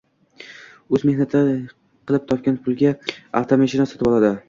Oʻzi mehnat qilib topgan pulga avtomashina sotib oladi.